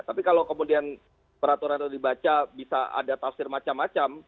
tapi kalau kemudian peraturan itu dibaca bisa ada tafsir macam macam